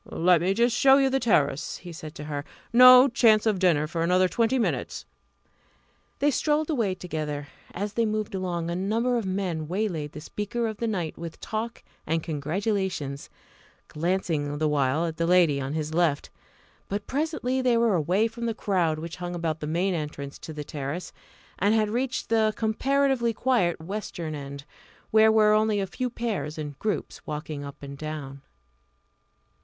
"Let me just show you the terrace," he said to her. "No chance of dinner for another twenty minutes." They strolled away together. As they moved along, a number of men waylaid the speaker of the night with talk and congratulations glancing the while at the lady on his left. But presently they were away from the crowd which hung about the main entrance to the terrace, and had reached the comparatively quiet western end, where were only a few pairs and groups walking up and down.